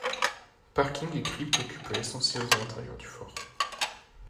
Parking et crypte occupent l'essentiel de l'intérieur du fort.